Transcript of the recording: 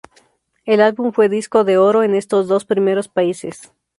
El álbum fue disco de oro en estos dos primeros países.